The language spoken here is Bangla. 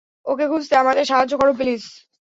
ওকে খুঁজতে আমাদের সাহায্য করো, প্লিজ।